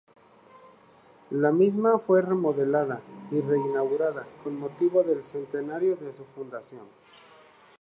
La misma fue remodelada y reinaugurada con motivo del centenario de su fundación.